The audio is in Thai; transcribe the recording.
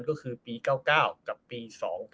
ก็คือปี๙๙กับปี๒๕๖